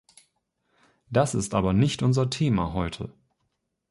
Das ist aber nicht unser Thema heute.